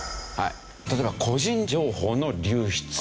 例えば個人情報の流出。